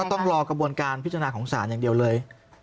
ต้องรอกระบวนการพิจารณาของศาลอย่างเดียวเลย